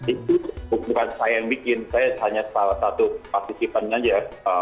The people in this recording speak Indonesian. itu bukan saya yang bikin saya hanya salah satu partisipan saja